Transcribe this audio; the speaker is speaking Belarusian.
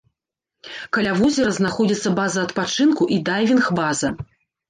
Каля возера знаходзіцца база адпачынку і дайвінг-база.